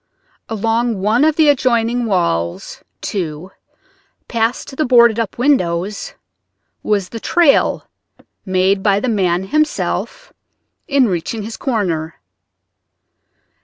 Along one of the adjoining walls, too, past the boarded up windows was the trail made by the man himself in reaching his corner.